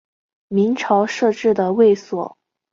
明朝设置的卫所。